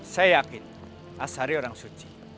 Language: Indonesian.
saya yakin asari orang suci